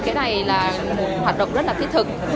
cái này là một hoạt động rất là thiết thực